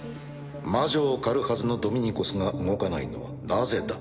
魔女を狩るはずのドミニコスが動かないのはなぜだ？